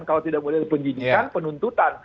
kalau tidak boleh dipenjidikan penuntutan